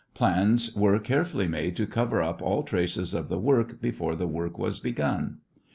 Plans were carefully made to cover up all traces of the work before the work was begun.